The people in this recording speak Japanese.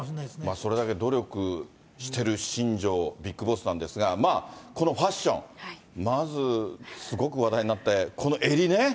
それだけ努力してる新庄ビッグボスなんですが、まあ、このファッション、まずすごく話題になって、この襟ね。